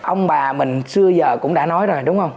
ông bà mình xưa giờ cũng đã nói rồi đúng không